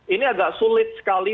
ini agak sulit sekali